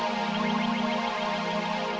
kamu minta apa dari dia